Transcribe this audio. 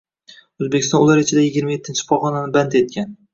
Oʻzbekiston ular ichida yigirma ettinchi pogʻonani band etgan.